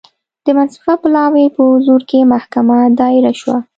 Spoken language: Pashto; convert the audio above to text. د منصفه پلاوي په حضور کې محکمه دایره شوه.